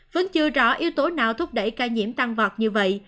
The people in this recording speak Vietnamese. vẫn chưa rõ yếu tố nào thúc đẩy ca nhiễm tăng vọt như vậy